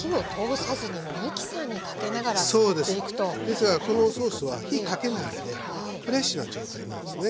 ですからこのソースは火かけないんでフレッシュな状態なんですね。